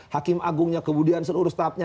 hakim agung nya kemudian seluruh staf nya